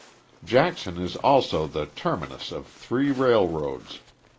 Jackson is also the terminus of three railroads.